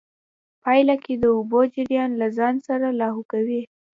پايله کې د اوبو جريان له ځان سره لاهو کوي.